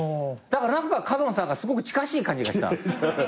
だから何か角野さんがすごく近しい感じがした。